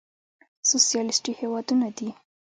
سوسيالېسټي هېوادونه دي.